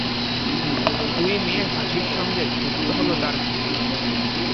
দুই মেয়ের হাসির সঙ্গে যুক্ত হল তাঁর হাসি।